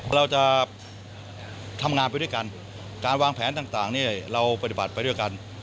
เราจะทำงานไปด้วยกันการวางแผนต่างเนี่ยเราปฏิบัติไปด้วยกัน